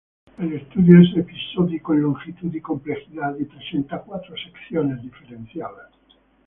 El estudio es episódico en longitud y complejidad y presenta cuatro secciones diferenciadas.